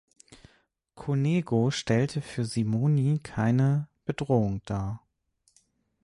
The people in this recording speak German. Cunego stellte für Simoni keine Bedrohung dar.